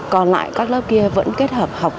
còn lại các lớp kia vẫn kết hợp với các bài giảng